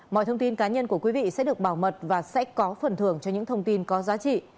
mọi thông tin cá nhân của quý vị sẽ được bảo mật và sẽ có phần thưởng cho những thông tin có giá trị